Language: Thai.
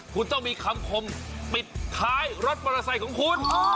คุณต้องมีคำคมปิดท้ายรถมอเตอร์ไซค์ของคุณ